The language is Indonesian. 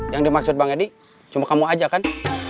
yang dimaksud bang edi cuma kamu aja kan